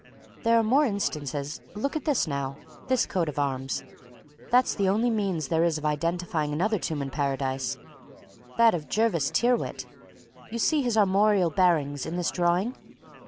There are more instances look at this, now this coat of arms that's the only means there is of identifying another tomb in Paradise that of Gervase Tyrrwhit. You see his armorial bearings in this drawing?